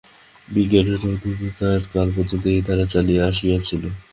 বিজ্ঞানের অভ্যুদয়কাল পর্যন্ত এই ধারা চলিয়া আসিয়াছিল।